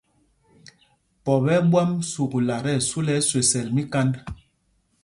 Pɔp ɛ́ ɛ́ ɓwam sukla tí ɛsu lɛ ɛsüesɛl míkand.